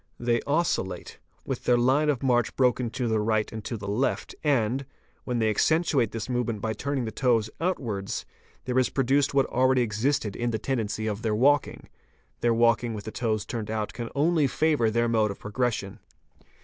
They oscil late, with their line of march broken to the right and to the left and, when they accentuate this movement by turning the toes outwards, there is produced what already existed in the tendency of their walking: their walking with the toes out can only favour their mode of progression.